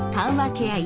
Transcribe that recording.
ケア医